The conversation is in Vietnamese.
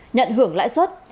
nhận hưởng lãi suất